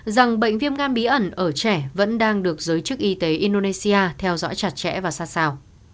rằng bệnh viêm gan bí ẩn ở trẻ vẫn đang được giới chức y tế indonesia theo dõi chặt chẽ và sát sao